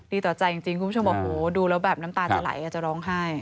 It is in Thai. ต่อใจจริงคุณผู้ชมโอ้โหดูแล้วแบบน้ำตาจะไหลอาจจะร้องไห้